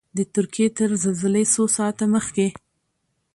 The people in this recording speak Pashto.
د ترکیې تر زلزلې څو ساعته مخکې.